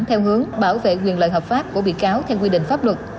theo hướng bảo vệ quyền lợi hợp pháp của bị cáo theo quy định pháp luật